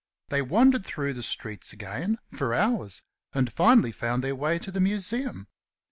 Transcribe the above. They wandered through the streets again, for hours, and finally found their way to the Museum.